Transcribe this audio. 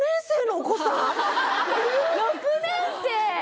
６年生！